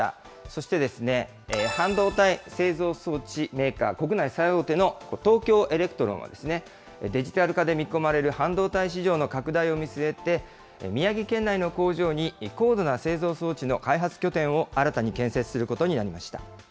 そしてですね、半導体製造装置メーカー、国内最大手の東京エレクトロンはデジタル化で見込まれる半導体事業の拡大を見据えて、宮城県内の工場に高度な製造装置の開発拠点を新たに建設することになりました。